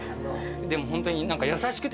でもホントに。